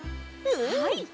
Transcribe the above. はい！